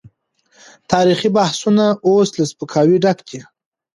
تاريخي بحثونه اوس له سپکاوي ډک دي.